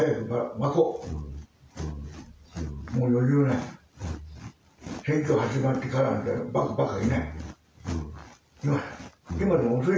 もう余裕がない。